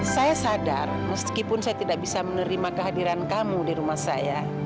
saya sadar meskipun saya tidak bisa menerima kehadiran kamu di rumah saya